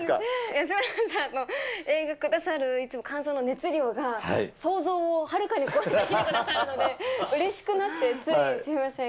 安村さんのくださる感想の熱量が想像をはるかに超えてきてくださるので、うれしくなって、つい、すみません。